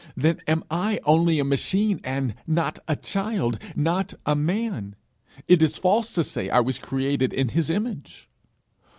Then am I only a machine, and not a child not a man! It is false to say I was created in his image!